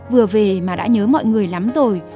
vừa về mà đã nhớ mọi người lắm rồi